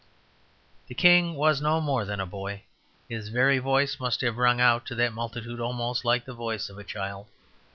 The King was no more than a boy; his very voice must have rung out to that multitude almost like the voice of a child.